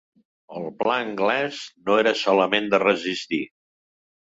El pla anglès no era solament de resistir.